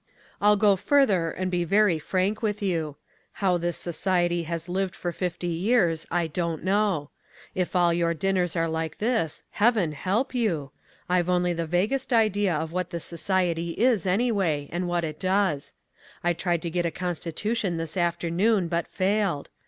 I'll go further and be very frank with you. How this society has lived for fifty years, I don't know. If all your dinners are like this, Heaven help you. I've only the vaguest idea of what this society is, anyway, and what it does. I tried to get a constitution this afternoon but failed.